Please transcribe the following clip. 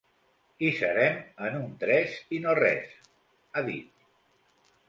Hi serem en un tres i no res, ha dit.